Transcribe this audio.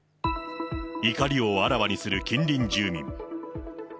怒りをあらわにする近隣住民。